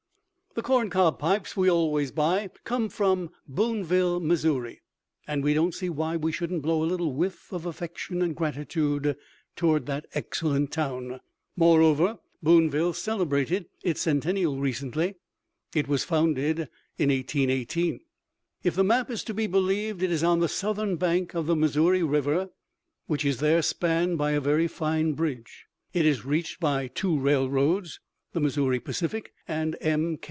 The corncob pipes we always buy come from Boonville, Mo., and we don't see why we shouldn't blow a little whiff of affection and gratitude toward that excellent town. Moreover, Boonville celebrated its centennial recently: it was founded in 1818. If the map is to be believed, it is on the southern bank of the Missouri River, which is there spanned by a very fine bridge; it is reached by two railroads (Missouri Pacific and M.